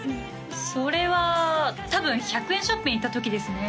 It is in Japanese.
それは多分１００円ショップに行った時ですね